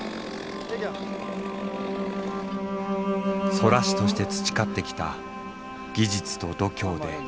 空師として培ってきた技術と度胸でやり遂げた。